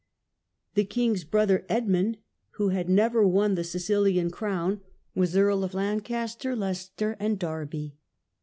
The king's brother, Edmund, who had never won the Sicilian crown, was Earl of Lancaster, Leicester, and Derby.